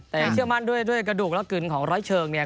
แต่ยังเชื่อมั่นด้วยกระดูกและกลิ่นของร้อยเชิงเนี่ย